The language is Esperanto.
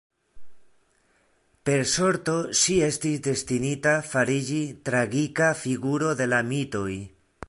Per Sorto ŝi estis destinita fariĝi tragika figuro de la mitoj.